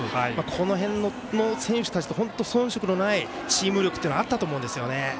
この辺の選手たちと本当に遜色のないチーム力というのもあったと思うんですよね。